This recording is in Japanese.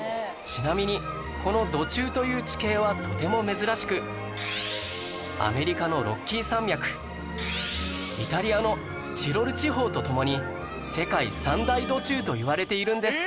ちなみにこの土柱という地形はとても珍しくアメリカのロッキー山脈イタリアのチロル地方と共に世界三大土柱といわれているんです